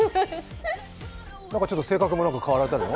ちょっと性格も変わられたの？